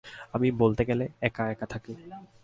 আমি বলতে গেলে একা-একা থাকি।